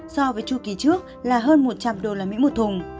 so với chu kỳ trước là hơn một trăm linh usd một thùng